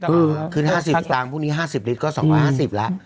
เออขึ้นห้าสิบสตางค์พรุ่งนี้ห้าสิบลิตรก็สองพันห้าสิบแล้ว